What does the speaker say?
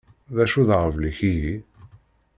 D acu d aɣbel-ik ihi?